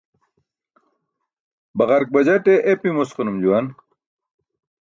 Baġark bajate epi mosqanum juwan.